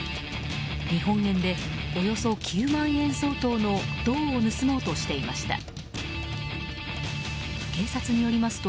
日本円でおよそ９万円相当の銅を盗もうとしていました。